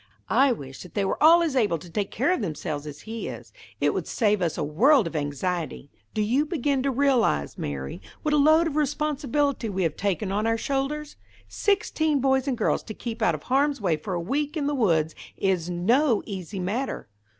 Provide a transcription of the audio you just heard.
"I wish that they were all as able to take care of themselves as he is. It would save us a world of anxiety. Do you begin to realise, Mary, what a load of responsibility we have taken on our shoulders? Sixteen boys and girls to keep out of harm's way for a week in the woods is no easy matter."